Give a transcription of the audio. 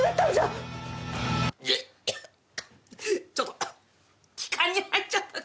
ちょっと気管に入っちゃった